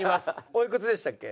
おいくつでしたっけ？